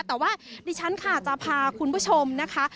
แต่ว่าดิฉันค่ะจะพาคุณผู้ชมนะคะ